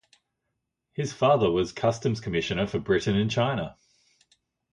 His father was Customs Commissioner for Britain in China.